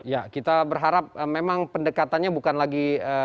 ya kita berharap memang pendekatannya bukan lagi